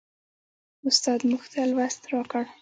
استاد موږ ته لوست راکړ.